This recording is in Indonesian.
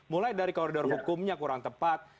mulai dari koridor hukumnya kurang tepat